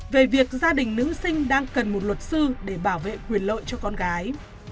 về việc gia đình nữ sinh đang cần một luật sư để bảo vệ quyền lợi cho con gái